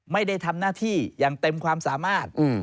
ไม่ได้ทำหน้าที่อย่างเต็มความสามารถ